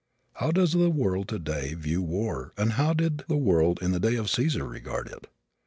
How does the world of today view war and how did the world in the day of Caesar regard it?